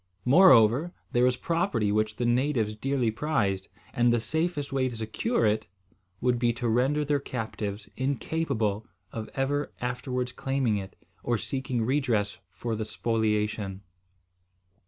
Moreover, there was property which the natives dearly prized; and the safest way to secure it would be to render their captives incapable of ever afterwards claiming it, or seeking redress for the spoliation.